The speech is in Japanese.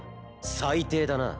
最低だな。